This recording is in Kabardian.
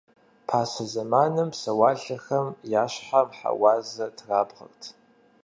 Пасэ зэманым псэуалъэхэм я щхьэм хьэуазэ трабгъэрт.